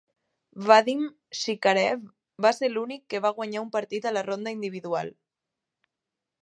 Vadim Chikarev va ser l'únic que va guanyar un partit a la ronda individual.